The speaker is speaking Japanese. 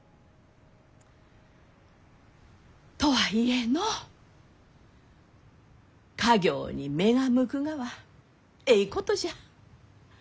とはいえの家業に目が向くがはえいことじゃ。